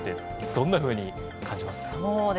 どんなふうに感じましたか？